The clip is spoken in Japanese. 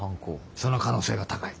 その可能性が高い。